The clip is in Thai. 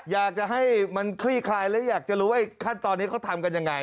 อยากจะให้มันคลี่คลายและอยากจะรู้ว่าขั้นตอนนี้เขาทำกันยังไง